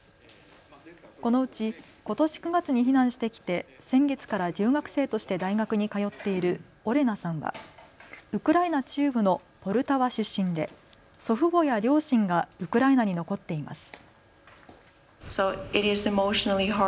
このうちことし９月に避難してきて先月から留学生として大学に通っているオレナさんはウクライナ中部のポルタワ出身で祖父母や両親がウクライナに残っています。